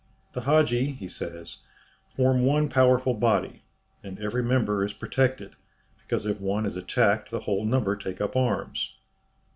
"The Hadji," he says, "form one powerful body, and every member is protected, because if one is attacked the whole number take up arms."